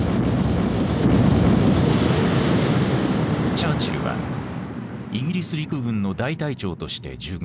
チャーチルはイギリス陸軍の大隊長として従軍していた。